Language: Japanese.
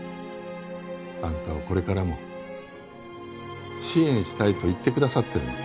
あんたをこれからも支援したいと言ってくださってるの。